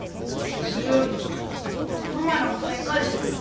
それよりこの前の５０００円返してくれ。